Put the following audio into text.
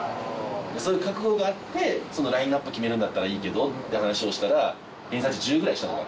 そういう覚悟があってそのラインアップ決めるんだったらいいけどって話をしたら。